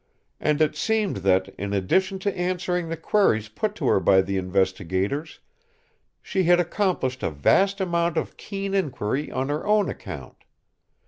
"And it seemed that, in addition to answering the queries put to her by the investigators, she had accomplished a vast amount of keen inquiry on her own account.